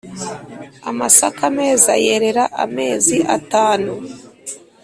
.Amasaka meza yerera amezi atanu.